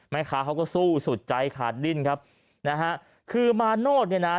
แม่ค้าเขาก็สู้สุดใจขาดดิ้นครับนะฮะคือมาโนธเนี่ยนะ